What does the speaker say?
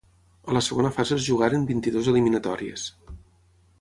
A la segona fase es jugaren vint-i-dues eliminatòries.